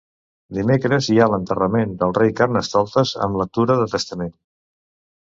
Dimecres hi ha l'enterrament del Rei Carnestoltes amb lectura de testament.